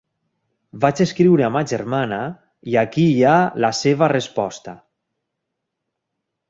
Vaig escriure a ma germana i aquí hi ha la seva resposta.